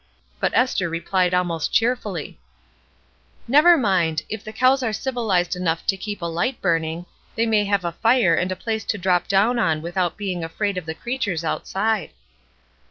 But Esther replied almost cheerfully: — ''Never mind ; if the cows are civiUzed enough to keep a Ught burning, they may have a fire and a place to drop down on without being afraid of the creatures outside."